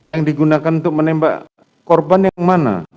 yang digunakan untuk menembak korban yang mana